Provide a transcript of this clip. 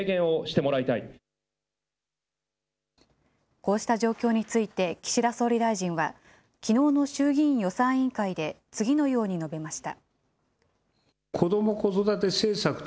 こうした状況について、岸田総理大臣は、きのうの衆議院予算委員会で、次のように述べました。